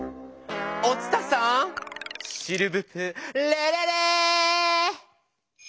お伝さんシルブプレレレー！